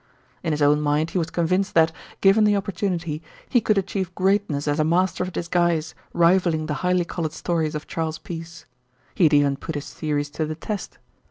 In his own mind he was convinced that, given the opportunity, he could achieve greatness as a master of disguise, rivalling the highly coloured stories of Charles Peace. He had even put his theories to the test.